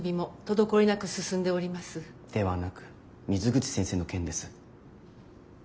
ではなく水口先生の件です。